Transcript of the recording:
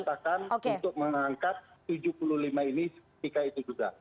pak presiden bisa menyatakan untuk mengangkat tujuh puluh lima ini pk itu juga